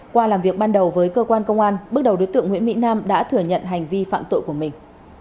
qua làm việc ban đầu với cơ quan công an bước đầu đối tượng nguyễn mỹ nam đã thừa nhận hành vi phạm tội của mình